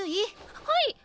はい！